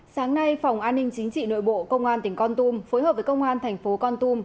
sáng nay phòng an ninh chính trị nội bộ công an tỉnh con tum phối hợp với công an thành phố con tum